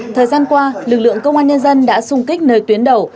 thời gian qua lực lượng công an nhân dân đã xung kích nơi tuyến đầu